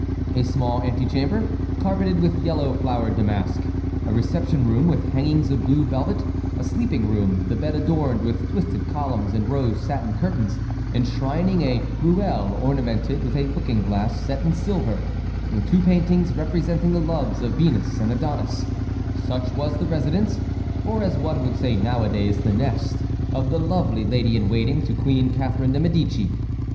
A small antechamber, carpeted with yellow flowered damask; a reception room with hangings of blue velvet; a sleeping room, the bed adorned with twisted columns and rose satin curtains, enshrining a ruelle ornamented with a looking glass set in silver, and two paintings representing the loves of Venus and Adonis,—such was the residence, or as one would say nowadays the nest, of the lovely lady in waiting to Queen Catharine de Médicis.